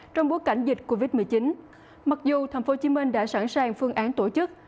trong bối cảnh dịch covid một mươi chín mặc dù tp hcm đã sẵn sàng phương án tổ chức